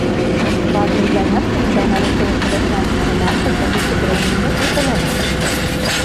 Важным заняткам здаўна лічылася лясная гаспадарка, здабыча драўніны і паляванне.